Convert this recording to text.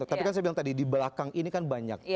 tapi kan saya bilang tadi di belakang ini kan banyak